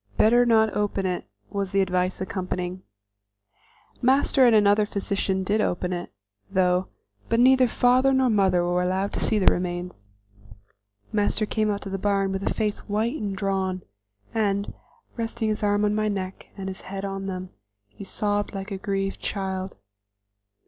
"Better not open it," was the advice accompanying. Master and another physician did open it, though, but neither father nor mother were allowed to see the remains. Master came out to the barn with a face white and drawn, and, resting his arm on my neck and his head on them, he sobbed like a grieved child.